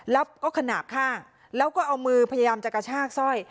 แล้วก็ขนาดข้างแล้วก็เอามือพยายามจะกระชากสร้อย